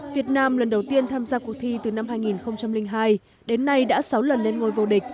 việt nam lần đầu tiên tham gia cuộc thi từ năm hai nghìn hai đến nay đã sáu lần lên ngôi vô địch